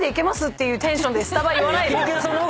ていうテンションでスタバ言わないでよ。